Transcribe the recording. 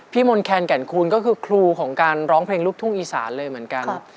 มนแคนแก่นคูณก็คือครูของการร้องเพลงลูกทุ่งอีสานเลยเหมือนกัน